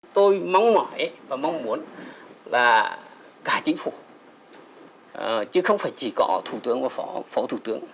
tôi mong mỏi và mong muốn là cả chính phủ chứ không phải chỉ có thủ tướng và phó thủ tướng